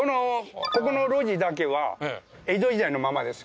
この路地だけは江戸時代のままです。